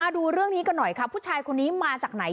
ดูเรื่องนี้กันหน่อยค่ะผู้ชายคนนี้มาจากไหน